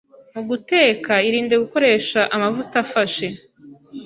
Mu guteka irinde gukoresha amavuta afashe